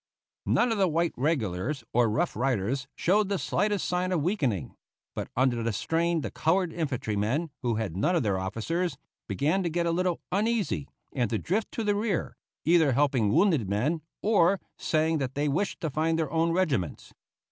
None of the white regulars or Rough Riders showed the slightest sign of weakening; but under the strain the colored infantrymen (who had none of their officers) began to get a little uneasy and to drift to the rear, either helping wounded men, or saying that they wished to find their own regiments.